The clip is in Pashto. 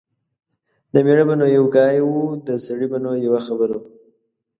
د مېړه به نو یو ګای و . د سړي به نو یوه خبره وه